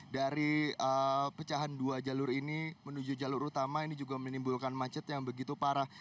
dari pecahan dua jalur ini menuju jalur utama ini juga menimbulkan macet yang begitu parah